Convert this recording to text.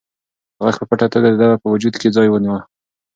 غږ په پټه توګه د ده په وجود کې ځای ونیوه.